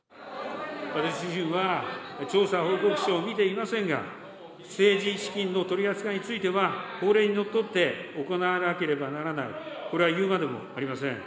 私自身は調査報告書を見ていませんが、政治資金の取り扱いについては、法令にのっとって行わなければならない、これは言うまでもありません。